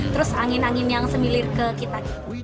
terus angin angin yang semilir ke kita